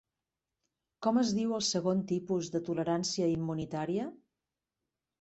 Com es diu el segon tipus de tolerància immunitària?